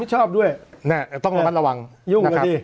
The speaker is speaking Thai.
หยุ่งกันสิ